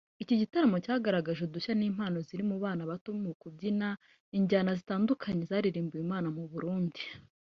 Iki gitaramo cyagaragaje udushya n’impano ziri mu bana bato mu kubyina injyana zitandukanye zaririmbwiwe Imana mu Burundi